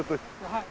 はい。